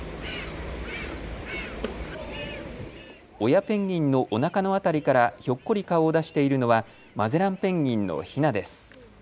親ペンギンのおなかの辺りからひょっこり顔を出しているのはマゼランペンギンのひなです。